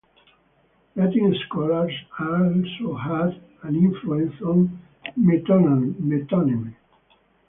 Latin scholars also had an influence on metonymy.